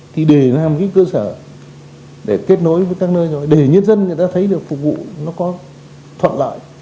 thì để làm cái cơ sở để kết nối với các nơi rồi để nhân dân người ta thấy được phục vụ nó có thuận lợi